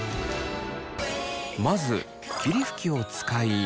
まず霧吹きを使い。